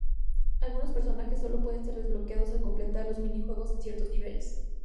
Algunos personajes sólo pueden ser desbloqueados al completar los minijuegos en ciertos niveles.